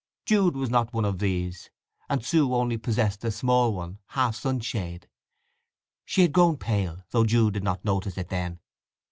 Jude was not one of these, and Sue only possessed a small one, half sunshade. She had grown pale, though Jude did not notice it then.